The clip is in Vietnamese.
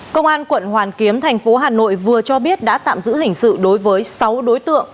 công an quận hoàn kiếm thành phố hà nội vừa cho biết đã tạm giữ hình sự đối với sáu đối tượng